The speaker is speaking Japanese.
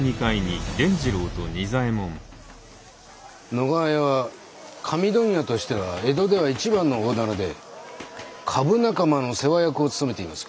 野川屋は紙問屋としては江戸では一番の大店で株仲間の世話役を務めています。